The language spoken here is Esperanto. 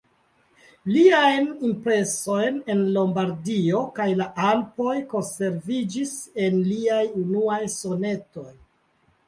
Liajm impresojn en Lombardio kaj la Alpoj konserviĝis en liaj unuaj sonetoj.